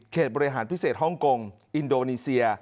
บริหารพิเศษฮ่องกงอินโดนีเซีย